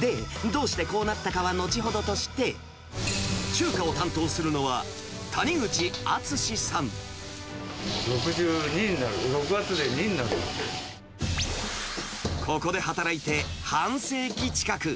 で、どうしてこうなったかは後ほどとして、中華を担当するのは、６２になる、６月で２になるここで働いて半世紀近く。